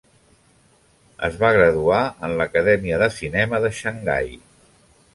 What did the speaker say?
Es va graduar en l'Acadèmia de Cinema de Xangai.